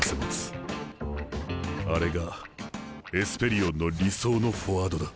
あれがエスペリオンの理想のフォワードだ。